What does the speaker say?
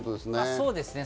そうですね。